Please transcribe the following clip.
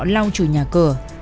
lao chùi nhà cửa